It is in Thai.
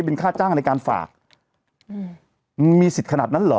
เป็นค่าจ้างในการฝากอืมมีสิทธิ์ขนาดนั้นเหรอ